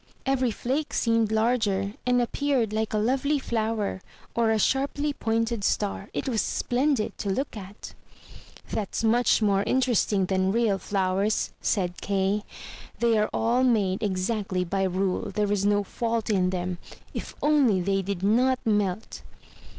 Every flake seemed larger, and appeared like a lovely flower, or a sharply pointed star: it was splendid to look at! "That's much more in teresting than real flowers!" said Kay. "They are all made exact ly by rule; there is no fault in them. If only they did not melt!"